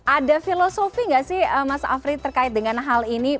ada filosofi nggak sih mas afri terkait dengan hal ini